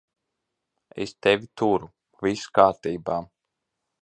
Es tevi turu. Viss kārtībā.